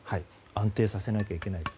安定しないといけないと。